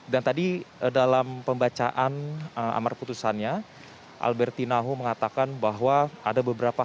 dan tadi dalam pembacaan amar putusannya alberti nahu mengatakan bahwa ada beberapa